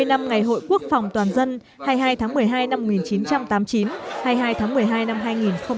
hai mươi năm ngày hội quốc phòng toàn dân hai mươi hai tháng một mươi hai năm một nghìn chín trăm tám mươi chín hai mươi hai tháng một mươi hai năm hai nghìn một mươi chín